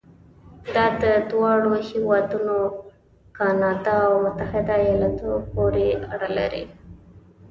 دا د دواړو هېوادونو کانادا او متحده ایالاتو پورې اړه لري.